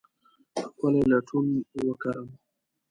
ښکلې لټون وکرم